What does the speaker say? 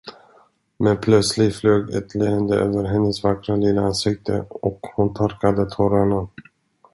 Men plötsligt flög ett leende över hennes vackra lilla ansikte och hon torkade tårarna.